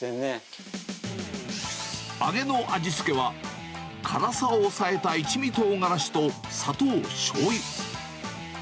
揚げの味付けは、辛さを抑えた一味とうがらしと砂糖、しょうゆ。